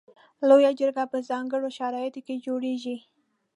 لویه جرګه په ځانګړو شرایطو کې جوړیږي.